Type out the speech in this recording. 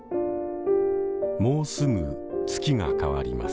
もうすぐ月が替わります。